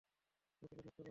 হোটেলে থাকতে পারবে?